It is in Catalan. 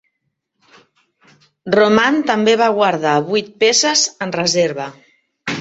Roman també va guardar vuit peces en reserva.